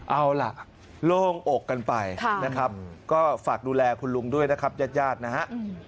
เอาล่ะโล่งอกกันไปนะครับก็ฝากดูแลคุณลุงด้วยนะครับญาติญาตินะฮะ